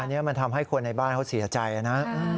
อันนี้มันทำให้คนในบ้านเขาเสียใจนะ